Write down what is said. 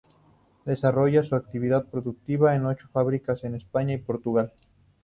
Desarrolla su actividad productiva en ocho fábricas en España y Portugal.